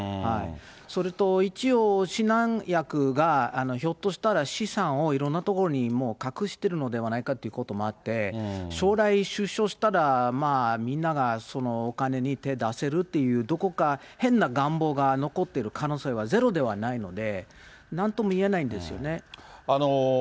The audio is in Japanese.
それと、一応指南役が、ひょっとしたら資産をいろんな所にもう隠してるのではないかということもあって、将来、出所したら、みんながそのお金に手、出せるっていう、どこか変な願望が残ってる可能性がゼロではないので、なんとも言えないんですよね。